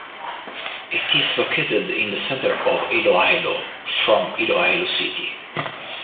It is located in the center of Iloilo, from Iloilo City.